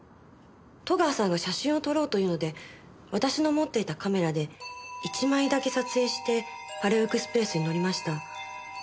戸川さんが写真を撮ろうというので私の持っていたカメラで１枚だけ撮影してパレオエクスプレスに乗りました。